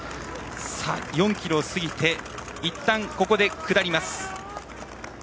４ｋｍを過ぎて、いったんここで下ります。